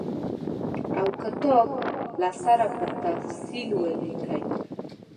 او کتاب له سره په تفصیل ولیکي.